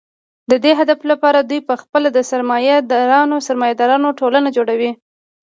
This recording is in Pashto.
د دې هدف لپاره دوی په خپله د سرمایه دارانو ټولنه جوړوي